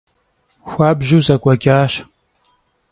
Xuabju zek'ueç'aş.